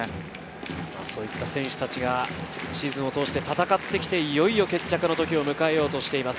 そういった選手たちがシーズンを通して戦ってきて、いよいよ決着の時を迎えようとしています。